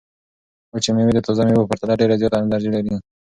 وچې مېوې د تازه مېوو په پرتله ډېره زیاته انرژي لري.